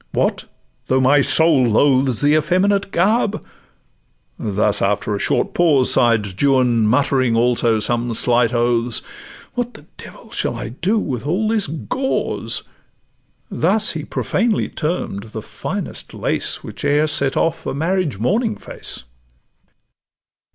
'—'What, though my soul loathes The effeminate garb?'—thus, after a short pause, Sigh'd Juan, muttering also some slight oaths, 'What the devil shall I do with all this gauze?' Thus he profanely term'd the finest lace Which e'er set off a marriage morning face.